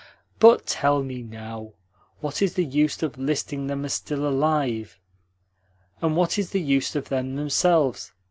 "But tell me, now: what is the use of listing them as still alive? And what is the use of them themselves?